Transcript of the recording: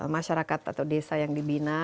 masyarakat atau desa yang dibina